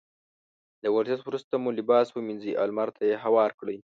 له ورزش وروسته مو لباس ومينځئ او لمر ته يې هوار کړئ.